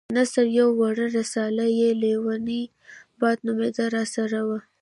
د نثر يوه وړه رساله چې ليونی باد نومېده راسره وه.